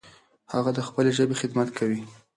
هغه د خپلې ژبې خدمت کوي.